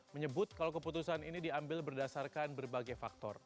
menyebut kalau keputusan ini diambil berdasarkan berbagai faktor